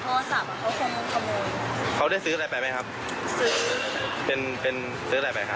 เค้าคงมกโครมเค้าได้ซื้ออะไรไปไหมครับซื้อเป็นซื้ออะไรไปค่ะ